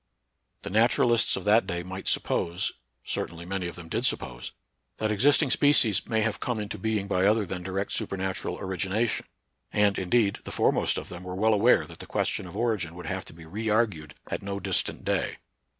The naturalists of that day might suppose — cer tainly many of them did suppose — that exist ing species may have come into being by other than direct supernatural origination, and, indeed, the foremost of them were well aware that the question of origin would have to be reargued at no distant day.